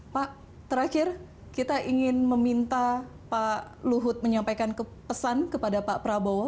pak terakhir kita ingin meminta pak luhut menyampaikan pesan kepada pak prabowo